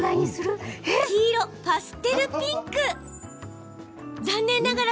黄色・パステルピンク。